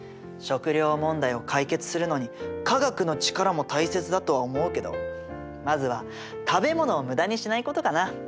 食料問題を解決するのに科学の力も大切だとは思うけどまずは食べ物を無駄にしないことかな？